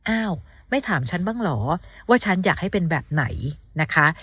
อ้าวไม่ถามฉันบ้างเหรอว่าฉันอยากให้เป็นแบบไหนนะคะ